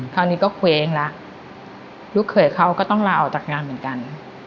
คราวนี้ก็เคว้งแล้วลูกเขยเขาก็ต้องลาออกจากงานเหมือนกัน